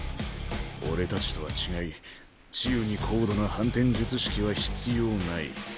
俺たちとは違い治癒に高度な反転術式は必要ない。